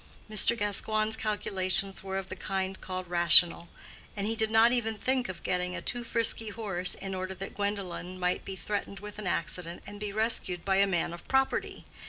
Mr. Gascoigne's calculations were of the kind called rational, and he did not even think of getting a too frisky horse in order that Gwendolen might be threatened with an accident and be rescued by a man of property.